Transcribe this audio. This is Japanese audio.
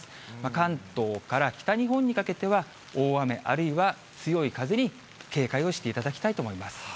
関東から北日本にかけては、大雨、あるいは強い風に警戒をしていただきたいと思います。